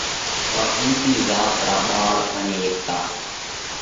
ڪا اُونسِي ذات را ٻاۯ ڀڻي هيڪتا۔